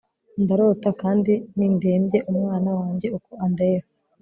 Ndarota kandi ni Ndebye umwana wanjye uko andeba